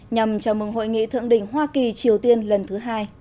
nhằm chào mừng hội nghị thượng đỉnh hoa kỳ triều tiên lần thứ hai